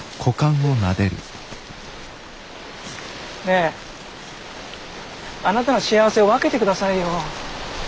ねえあなたの幸せを分けてくださいよ。